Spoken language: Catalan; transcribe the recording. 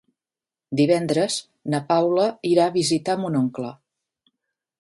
Divendres na Paula irà a visitar mon oncle.